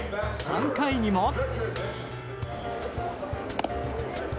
３回にも。